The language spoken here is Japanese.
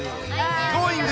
Ｇｏｉｎｇ！